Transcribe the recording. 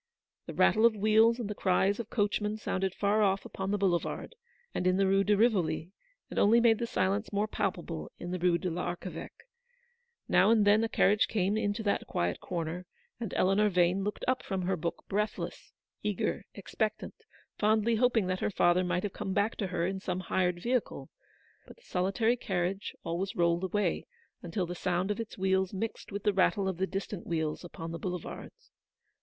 The rattle of wheels and the cries of coachmen sounded far off upon the Boulevard, and in the Rue de Eivoli, and only made the silence more palpable in the Rue de l'Archeveque. Now and then a carriage came into that quiet corner, and Eleanor Vane looked up from her book, breath IIS Eleanor's victory. less, eager, expectant, fondly hoping that her father might have come back to her in some hired vehicle : but the solitary carriage always rolled away, until the sound of its wheels mixed with the rattle of the distant wheels upon the Boulevards.